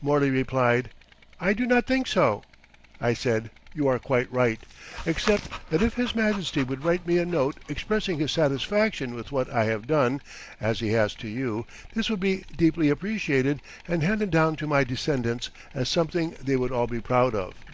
Morley replied: "I do not think so." I said: "You are quite right, except that if His Majesty would write me a note expressing his satisfaction with what I had done, as he has to you, this would be deeply appreciated and handed down to my descendants as something they would all be proud of."